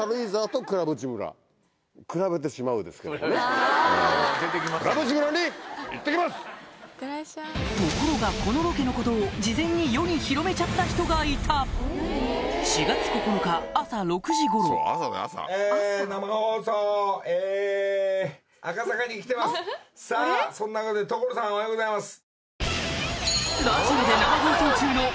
ところがこのロケのことをラジオで生放送中の所さんおはようございます。